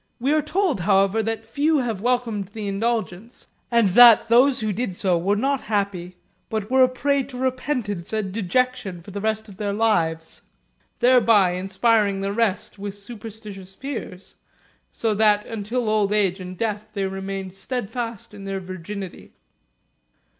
We are told, however, that few have welcomed the indulgence, and that those who did so were not happy, but were a prey to repentance and dejection for the rest of their lives, thereby inspiring the rest with superstitious fears, so that until old age and death they remained steadfast in their virginity.